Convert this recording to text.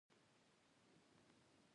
ما وې زما هم ستا پۀ باره کښې دغه خيال دی